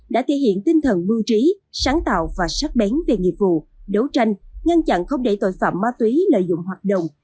đã thể hiện tinh thần mưu trí sáng tạo và sắc bén về nghiệp vụ đấu tranh ngăn chặn không để tội phạm ma túy lợi dụng hoạt động